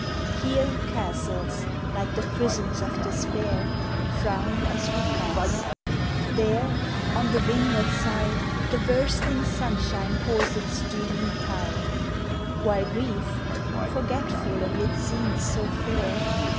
Here castles, like the prisons of despair, Frown as we pass;— there, on the vineyards side, The bursting sunshine poms its si learning tide; While Grief, forgetful amid scenes so fair.